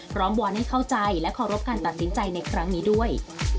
พร้อมวันให้เข้าใจและขอรบการตัดสินใจในครั้งนี้ด้วย